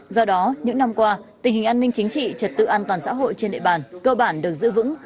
do đó những năm qua tình hình an ninh chính trị trật tự an toàn xã hội trên địa bàn cơ bản được giữ vững